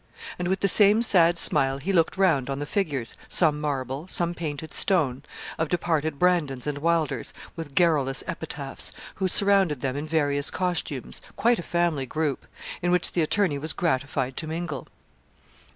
And with the same sad smile he looked round on the figures, some marble, some painted stone, of departed Brandons and Wylders, with garrulous epitaphs, who surrounded them in various costumes, quite a family group, in which the attorney was gratified to mingle.